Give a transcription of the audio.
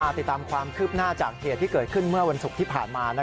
ติดตามความคืบหน้าจากเหตุที่เกิดขึ้นเมื่อวันศุกร์ที่ผ่านมา